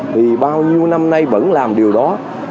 mình vẫn làm điều đó